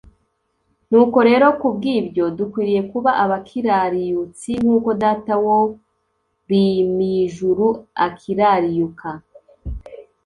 Nuko rero kubw'ibyo dukwiriye kuba abakirariutsi nk'uko "Data wo rim ijuru akirariuka."